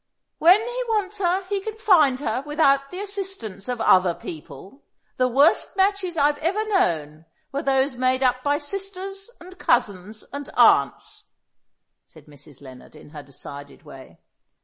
"When he wants her he can find her without the assistance of other people. The worst matches I've ever known were those made up by sisters and cousins and aunts," said Mrs. Lennard in her decided way.